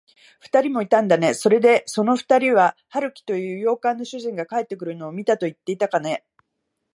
ふたりもいたんだね。それで、そのふたりは、春木という洋館の主人が帰ってくるのを見たといっていたかね。